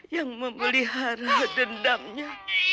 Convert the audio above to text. yang memelihara dendamnya